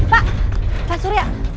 pak pak surya